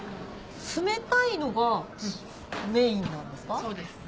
冷たいのがメインなんですか？